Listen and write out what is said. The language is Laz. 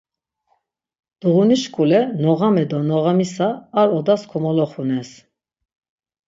Duğunişkule noğame do noğamisa ar odas komoloxunes.